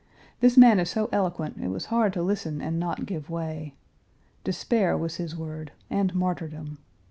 This man is so eloquent, it was hard to listen and not give way. Despair was his word, and martyrdom.